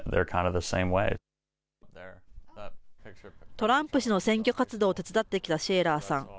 トランプ氏の選挙活動を手伝ってきたシェーラーさん。